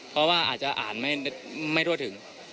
เพราะว่าอาจจะอ่านไม่ทั่วถึง